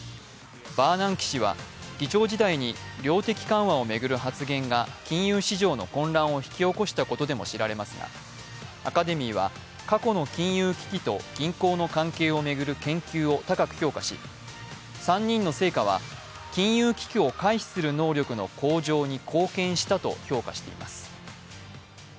バーナンキ氏は議長時代に量的緩和を巡る発言が金融市場の混乱を引き起こしたことでも知られますがアカデミーは過去の金融危機と銀行の関係を巡る研究を高く評価し３人の成果は、金融危機を回避する能力の向上に貢献したと評価しています。